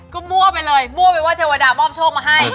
ก็มั่วไปเลยมั่วไปว่าเทวดามอบโชคมาให้